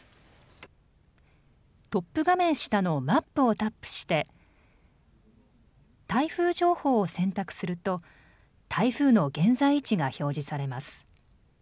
トップ画面下のマップをタップして台風情報を選択すると台風の現在位置が表示されます。